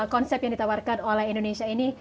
konsep yang ditawarkan oleh indonesia ini